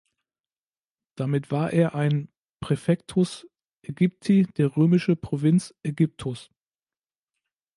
Damit war er ein Praefectus Aegypti der römische Provinz Aegyptus.